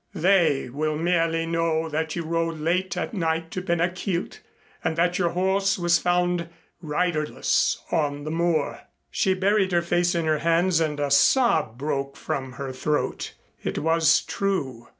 "They will merely know that you rode late at night to Ben a Chielt and that your horse was found riderless on the moor." She buried her face in her hands and a sob broke from her throat. It was true.